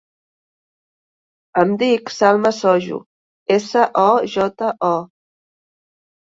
Em dic Salma Sojo: essa, o, jota, o.